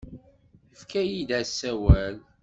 Yefka-iyi-d asawal.